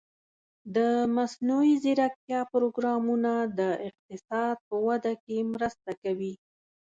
د مصنوعي ځیرکتیا پروګرامونه د اقتصاد په وده کې مرسته کوي.